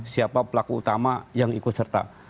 siapa pelaku utama yang ikut serta